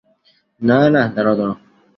না, না, দাঁড়াও, দাঁড়াও।